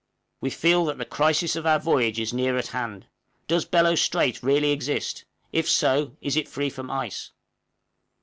We feel that the crisis of our voyage is near at hand. Does Bellot Strait really exist? if so, is it free from ice?